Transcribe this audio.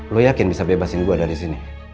lo yakin bisa bebasin gue dari sini